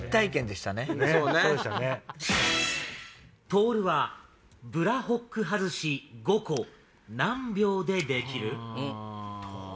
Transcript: とおるはブラホック外し５個何秒でできる？